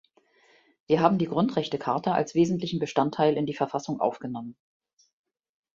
Wir haben die Grundrechtecharta als wesentlichen Bestandteil in die Verfassung aufgenommen.